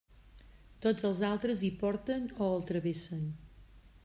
Tots els altres hi porten o el travessen.